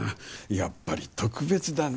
やっぱり特別だね